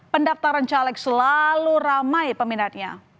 pendaftaran caleg selalu ramai peminatnya